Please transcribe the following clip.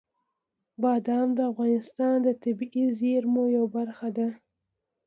بادام د افغانستان د طبیعي زیرمو یوه برخه ده.